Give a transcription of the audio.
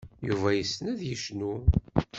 Yuba yessen ad yecnu.